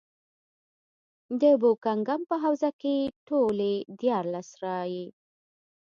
د بوکنګهم په حوزه کې ټولې دیارلس رایې.